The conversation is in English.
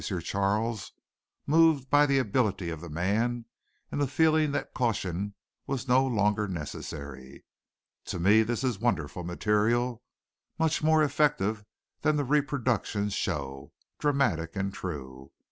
Charles, moved by the ability of the man and feeling that caution was no longer necessary. "To me this is wonderful material, much more effective than the reproductions show, dramatic and true.